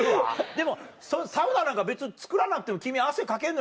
でもサウナなんか別に造らなくても君汗かけんのに。